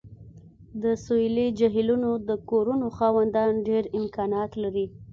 د سویلي جهیلونو د کورونو خاوندان ډیر امکانات لري